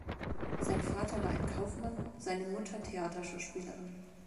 Sein Vater war ein Kaufmann, seine Mutter Theaterschauspielerin.